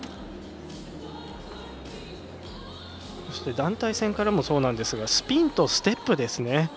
そして団体戦からもそうですがスピンとステップですね。